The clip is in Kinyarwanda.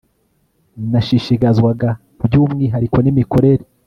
Nashishikazwaga by umwihariko n imikorere